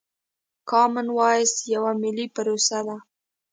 کامن وايس يوه ملي پروسه ده.